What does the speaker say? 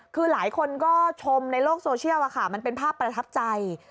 คือหลายคนก็ชมในโลกโซเชียลมันเป็นภาพประทับใจ